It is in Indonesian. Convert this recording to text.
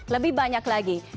lebih banyak lagi